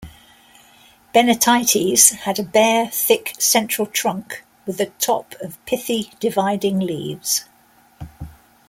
"Bennettites" had a bare, thick central trunk with a top of pithy, dividing leaves.